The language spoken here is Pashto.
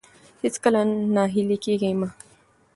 هېڅکله ناهيلي کېږئ مه.